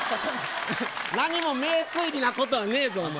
何も名推理なことねえぞ。